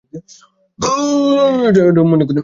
প্রতাপাদিত্যকে তিনি যেন রহস্যময় কি একটা মনে করেন!